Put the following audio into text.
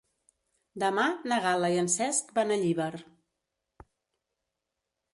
Demà na Gal·la i en Cesc van a Llíber.